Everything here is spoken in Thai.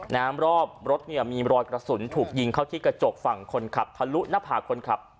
รอบรถเนี่ยมีรอยกระสุนถูกยิงเข้าที่กระจกฝั่งคนขับทะลุหน้าผากคนขับ